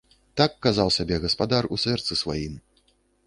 Так казаў сабе гаспадар у сэрцы сваім!